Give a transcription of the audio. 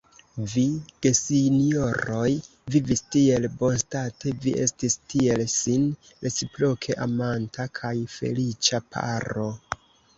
Vi, gesinjoroj, vivis tiel bonstate, vi estis tiel sin reciproke amanta kaj feliĉa paro!